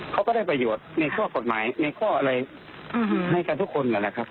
เขาก็ได้ประโยชน์ในข้อกฎหมายในข้ออะไรให้กันทุกคนนั่นแหละครับ